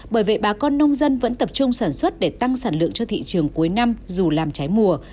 bởi vậy bà con nông dân vẫn tập trung sản xuất để tăng sản lượng cho thị trường cuối năm dù làm trái mùa